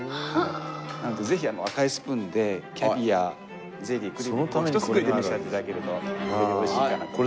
なのでぜひ赤いスプーンでキャビアゼリークリームをひとすくいでお召し上がり頂けるとより美味しいかなと思います。